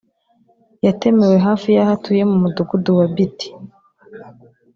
yatemewe hafi y’aho atuye mu Mudugudu wa Biti